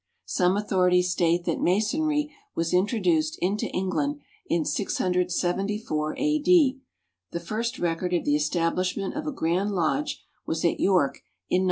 Some authorities state that Masonry was introduced into England in 674 A. D. The first record of the establishment of a Grand Lodge was at York in 926.